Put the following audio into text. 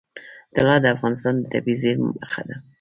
طلا د افغانستان د طبیعي زیرمو برخه ده.